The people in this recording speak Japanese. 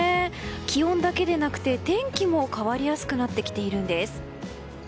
気温だけでなくて天気も変わりやすくなってきているんです。